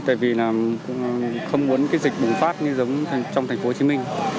tại vì là không muốn cái dịch bùng phát như giống trong thành phố hồ chí minh